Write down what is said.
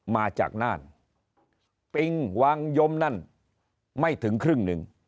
มาจากน่านปิงวางยมนั่นไม่ถึงครึ่งหนึ่ง